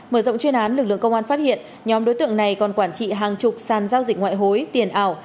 mở rộng chuyên án lực lượng công an phát hiện nhóm đối tượng này còn quản trị hàng chục sàn giao dịch ngoại hối tiền ảo